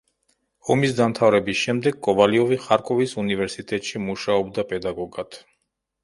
ომის დამთავრების შემდეგ კოვალიოვი ხარკოვის უნივერსიტეტში მუშაობდა პედაგოგად.